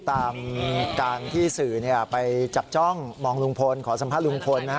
ตามการที่สื่อไปจับจ้องมองลุงพลขอสัมภาษณ์ลุงพลนะฮะ